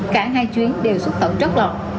cả hai chuyến đều xuất khẩu trót lọt